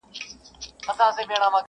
نه پوهېږي چي چاره پوري حيران دي؛